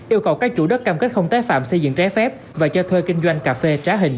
yêu cầu các chủ đất cam kết không tái phạm xây dựng trái phép và cho thuê kinh doanh cà phê trá hình